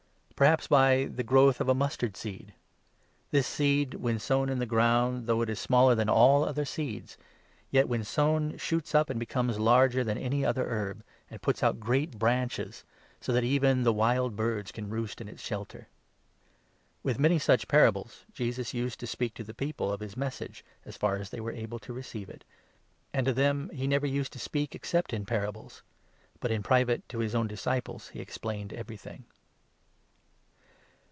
Perhaps by the growth of a mustard seed. This seed, when sown in the ground, though it is smaller than all other seeds, yet, when 32 sown, shoots up, and becomes larger than any other herb, and puts out great branches, so that even ' the wild birds can roost in its shelter.'" With many such parables Jesus used to speak to the people 33 of his Message, as far as they were able to receive it ; and to 34 them he never used to speak except in parables ; but in private to his own disciples he explained everything.